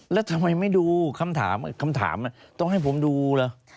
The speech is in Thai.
แล้วทำไมไม่ดูคำถามคำถามต้องให้ผมดูเหรอ